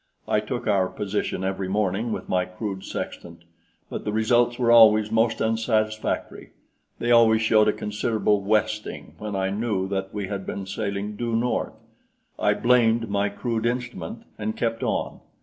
I took our position every morning with my crude sextant; but the results were always most unsatisfactory. They always showed a considerable westing when I knew that we had been sailing due north. I blamed my crude instrument, and kept on.